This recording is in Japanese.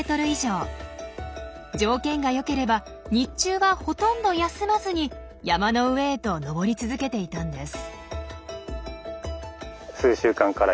条件がよければ日中はほとんど休まずに山の上へと登り続けていたんです。